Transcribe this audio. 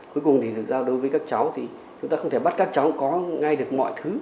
cuối cùng thì thực ra đối với các cháu thì chúng ta không thể bắt các cháu có ngay được mọi thứ